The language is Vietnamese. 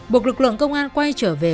buộc lực lượng công an quay trở về